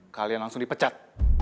kalian langsung dipecat